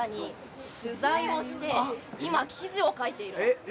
えっ！？